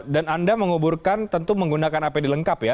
anda menguburkan tentu menggunakan apd lengkap ya